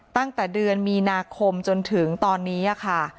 ตั้งแต่เดือนมีนาคมจนถึงตอนนี้ค่ะ